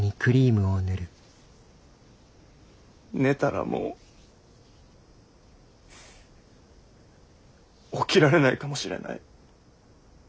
寝たらもう起きられないかもしれない。